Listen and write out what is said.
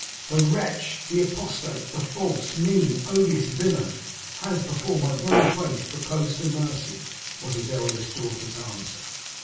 'The wretch; the apostate; the false, mean, odious villain; has before my very face proposed to Mercy!' was his eldest daughter's answer.